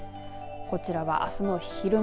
こちらはあすの昼前